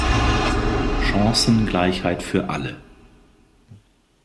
Chancengleichheit für alle.